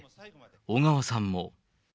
小川さんも。